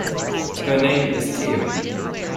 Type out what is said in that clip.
Her name is Teo.